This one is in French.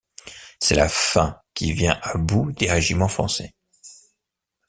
C'est la faim qui vient à bout des régiments français.